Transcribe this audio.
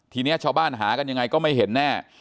ทีนี้ชาวบ้านหากันยังไงก็ไม่เห็นแน่